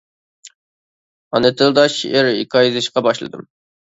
ئانا تىلدا شېئىر، ھېكايە يېزىشقا باشلىدىم.